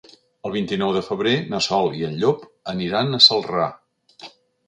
El vint-i-nou de febrer na Sol i en Llop aniran a Celrà.